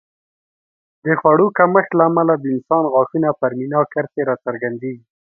د خوړو کمښت له امله د انسان غاښونو پر مینا کرښې راڅرګندېږي